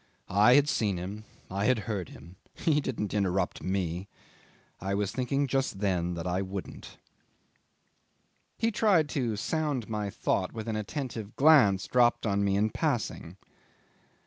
I had seen him. I had heard him. He didn't interrupt me. I was thinking just then that I wouldn't." 'He tried to sound my thought with an attentive glance dropped on me in passing.